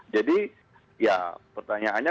jadi ya pertanyaannya